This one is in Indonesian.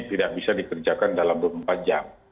tidak bisa dikerjakan dalam dua puluh empat jam